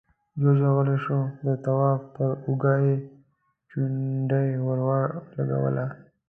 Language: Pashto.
جُوجُو غلی شو، د تواب پر اوږه يې چونډۍ ور ولګوله: